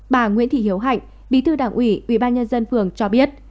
bà nguyễn thị hiếu hạnh bí thư đảng ủy ubnd phường cho biết